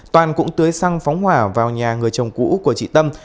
toàn cũng tưới xăng phóng hỏa vào nhà người chồng cũ của chị tâm